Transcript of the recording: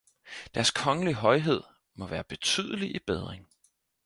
Deres Kongelige Højhed må være betydelig i bedring!